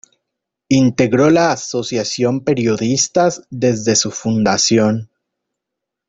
Integró la Asociación Periodistas desde su fundación.